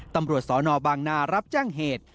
ตำรวจสนบางนารับแจ้งเหตุ